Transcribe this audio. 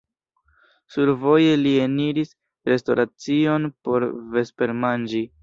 Survoje li eniris restoracion por vespermanĝi.